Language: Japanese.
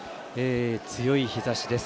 強い日ざしです。